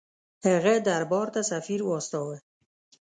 هغه دربار ته سفیر واستاوه.